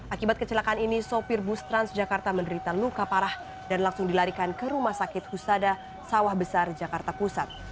akibat kecelakaan ini sopir bus transjakarta menderita luka parah dan langsung dilarikan ke rumah sakit husada sawah besar jakarta pusat